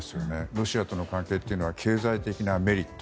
ロシアとの関係というのは経済的なメリット